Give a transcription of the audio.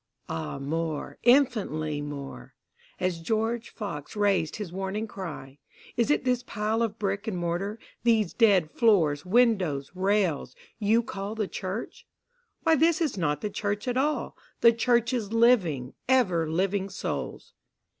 Ah more, infinitely more; (As George Fox rais'd his warning cry, "Is it this pile of brick and mortar, these dead floors, windows, rails, you call the church? Why this is not the church at all the church is living, ever living souls.")